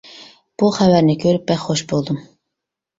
بۇ خەۋەرنى كۆرۈپ بەك خوش بولدۇم.